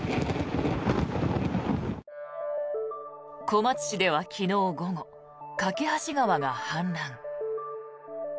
小松市では昨日午後梯川が氾濫。